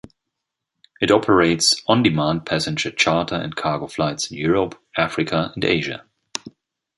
It operates on-demand passenger charter and cargo flights in Europe, Africa and Asia.